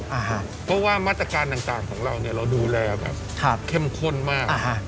เพราะว่ามาตรการต่างต่างของเราเนี่ยเราดูแลแบบเข้มข้นมาก